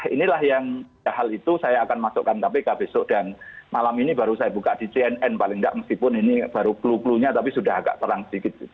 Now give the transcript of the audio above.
inilah yang hal itu saya akan masukkan kpk besok dan malam ini baru saya buka di cnn paling tidak meskipun ini baru clue clue nya tapi sudah agak terang sedikit